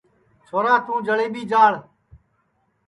چھورا توں جݪئیٻی جاݪ